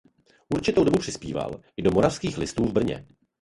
Určitou dobu přispíval i do "Moravských listů" v Brně.